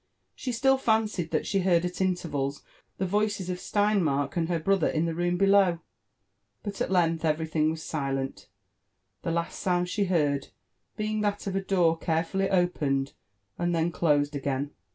She still fancied that she heard at intervals the voices of Sleinmark and her brother in the room below ; but at length everything was silent, (hft last sound she heard being that of a door carefully opened and then closed again.